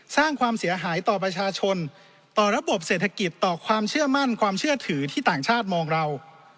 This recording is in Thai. สร้างความเสียหายต่อประชาชนต่อระบบเศรษฐกิจต่อความเชื่อมั่นความเชื่อถือที่ต่างชาติมองเรา